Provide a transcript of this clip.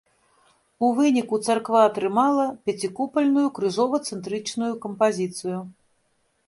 У выніку царква атрымала пяцікупальную крыжова-цэнтрычную кампазіцыю.